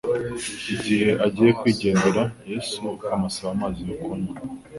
Igihe agiye kwigendera, Yesu amusaba amazi yo kunywa.